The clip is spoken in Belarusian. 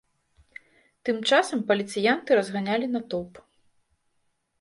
Тым часам паліцыянты разганялі натоўп.